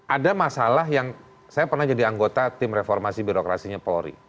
ada masalah yang saya pernah jadi anggota tim reformasi birokrasinya polri